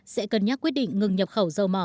sẽ cân nhắc quyết định ngừng nhập khẩu dầu mỏ